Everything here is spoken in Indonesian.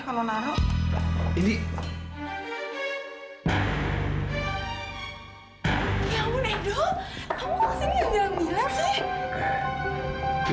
ya ampun edo kamu ngasih ini yang jalan bilang sih